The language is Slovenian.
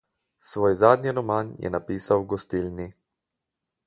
Svoj zadnji roman je napisal v gostilni.